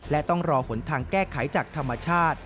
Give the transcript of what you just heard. และต้องรอผลทางแก้ไขจากธรรมชาติ